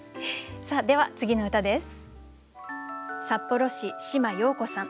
さあでは次の歌です。